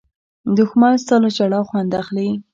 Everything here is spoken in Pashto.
دښمن ستا له ژړا خوند اخلي